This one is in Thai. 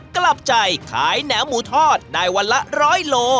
กลับใจขายแหนมหมูทอดได้วันละ๑๐๐โล